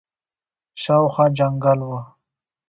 شاوخوا جنګل وو.